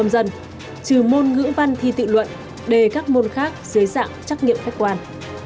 trừ môn nhữ văn thi tự luận đề các môn khác dưới dạng chắc nghiệm khách quan